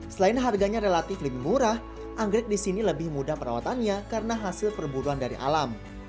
selain harganya relatif lebih murah anggrek di sini lebih mudah perawatannya karena hasil perburuan dari alam